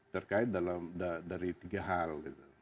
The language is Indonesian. terkait dari tiga hal